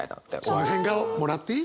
その変顔もらっていい？